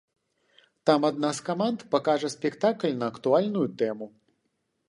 Там адна з каманд пакажа спектакль на актуальную тэму.